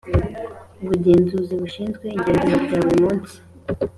Ubugenzuzi bushinzwe igenzura rya buri munsi